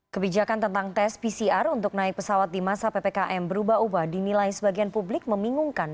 kebijakan tentang tes pcr untuk naik pesawat di masa ppkm berubah ubah dinilai sebagian publik membingungkan